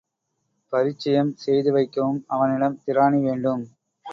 பரிச்சயம் செய்து வைக்கவும் அவனிடம் திராணி வேண்டும்.